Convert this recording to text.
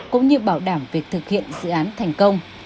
cũng như bảo đảm việc thực hiện dự án thành công